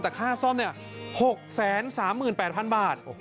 แต่ค่าซ่อมเนี่ย๖๓๘๐๐๐บาท